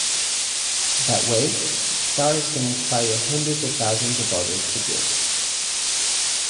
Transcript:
That way stars can inspire hundreds of thousands of others to give.